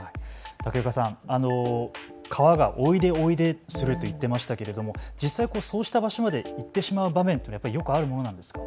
竹岡さん、川がおいでおいですると言っていましたけれど実際そうした場所まで行ってしまう場面、よくあるものなんですか。